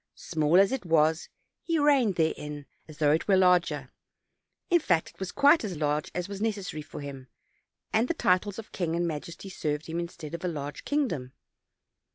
Small as it was, he reigned therein, as though it were larger; in fact, it was quite as large as was neces sary for him, and the titles of king and majesty served him instead of a large kingdom.